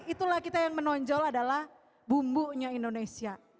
itulah kita yang menonjol adalah bumbunya indonesia